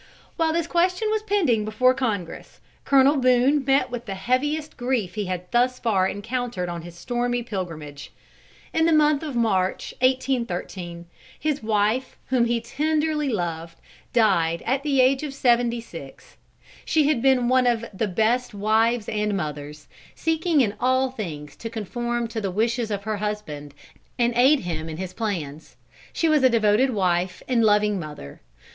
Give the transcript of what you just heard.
While this question was pending before Congress, Colonel Boone met with the heaviest grief he had thus far encountered on his stormy pilgrimage. In the month of March, 1813, his wife, whom he tenderly loved, died at the age of seventy six. She had been one of the best of wives and mothers, seeking in all things to conform to the wishes of her husband, and aid him in his plans. She was a devoted wife and a loving mother.